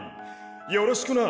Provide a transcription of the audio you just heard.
よろしくな！